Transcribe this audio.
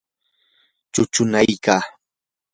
chuchunaykaa.